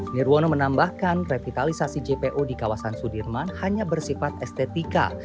nirwono menambahkan revitalisasi jpo di kawasan sudirman hanya bersifat estetika